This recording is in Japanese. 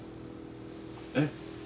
えっ？